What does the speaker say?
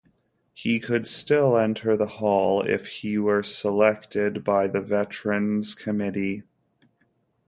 He could still enter the Hall if he were selected by the Veterans Committee.